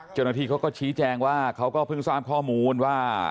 เจ้าหน้าที่เขาก็ชี้แจงว่าเขาก็เพิ่งทราบข้อมูลว่า